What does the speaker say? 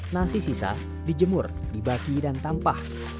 nasi sisa dijemur dibagi dan tampah